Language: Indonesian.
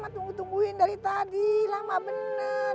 tunggu tungguin dari tadi lama bener